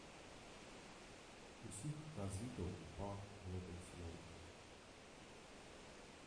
Усіх казытаў пах гэтых слоў.